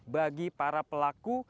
bagi para pelaku